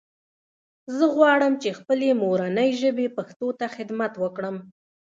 زه غواړم چې خپلې مورنۍ ژبې پښتو ته خدمت وکړم